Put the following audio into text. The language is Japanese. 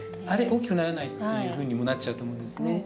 大きくならないっていうふうにもなっちゃうと思うんですね。